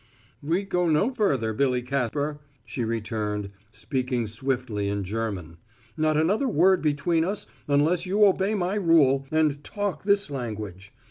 "We go no further, Billy Capper," she returned, speaking swiftly in German; "not another word between us unless you obey my rule, and talk this language.